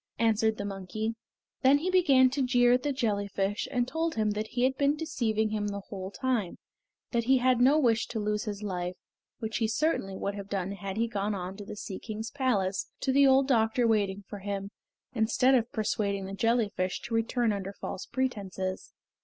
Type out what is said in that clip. answered the monkey. Then he began to jeer at the jellyfish and told him that he had been deceiving him the whole time; that he had no wish to lose his life, which he certainly would have done had he gone on to the Sea King's Palace to the old doctor waiting for him, instead of persuading the jellyfish to return under false pretences.